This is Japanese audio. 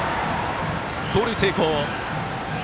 盗塁成功。